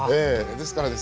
ですからね